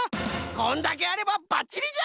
こんだけあればばっちりじゃ。